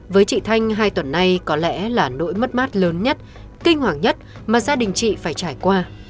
với chị thanh hai tuần nay có lẽ là nỗi mất mát lớn nhất kinh hoàng nhất mà gia đình chị phải trải qua